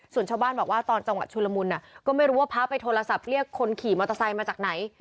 ส่วนชาวบ้านบอกว่าตอนจังหวะชุลมุนก็ไม่รู้ว่าพระไปโทรศัพท์เรียกคนขี่มอเตอร์ไซค์มาจากไหน